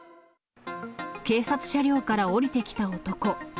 警察車両から降りてきた男。